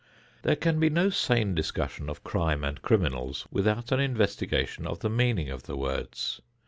There can be no sane discussion of "crime" and "criminals" without an investigation of the meaning of the words.